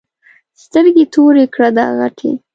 سترګې تورې کړه دا غټې.